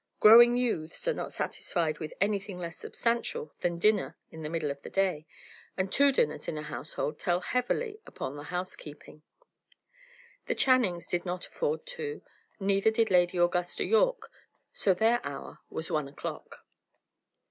Growing youths are not satisfied with anything less substantial than a dinner in the middle of the day, and two dinners in a household tell heavily upon the house keeping. The Channings did not afford two, neither did Lady Augusta Yorke; so their hour was one o'clock.